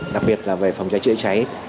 đặc biệt là về phòng chạy chữa cháy